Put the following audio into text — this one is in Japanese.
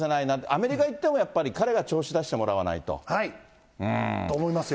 アメリカ行ってもやっぱり彼が調子出してもらわないと。と思いますよ。